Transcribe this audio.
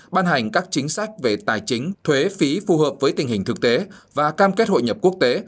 ban hành các chính sách về tài chính thuế phí phù hợp với tình hình thực tế và cam kết hội nhập quốc tế